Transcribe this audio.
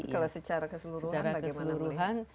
kalau secara keseluruhan bagaimana